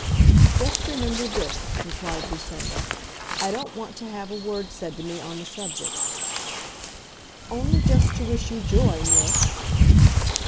"Just remember this," replied Lucinda, "I don't want to have a word said to me on the subject." "Only just to wish you joy, miss."